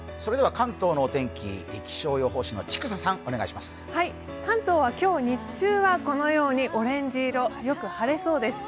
関東は今日、日中はこのようにオレンジ色、よく晴れそうです。